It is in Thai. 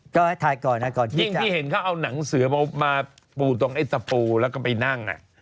ก็ให้ถ่ายก่อนนะก่อนที่จะเห็นเขาเอาหนังเสือมาปูตรงไอ้ตะปูแล้วก็ไปนั่งอ่ะ